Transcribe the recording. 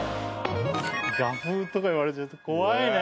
画風とか言われちゃうと怖いね。